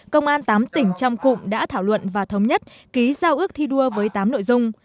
công an tám tỉnh trong cụm đã thảo luận và thống nhất ký giao ước thi đua với tám nội dung